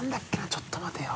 ちょっと待てよ。